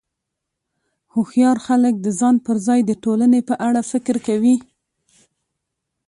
هوښیار خلک د ځان پر ځای د ټولنې په اړه فکر کوي.